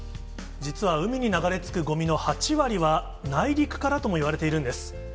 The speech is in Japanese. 実は海に流れ着くごみの８割は内陸からともいわれているんです。